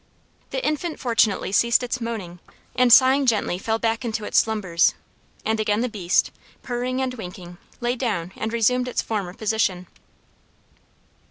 The infant fortunately ceased its moaning and sighing gently fell back into its slumbers; and again the beast, purring and winking, lay down and resumed its former position.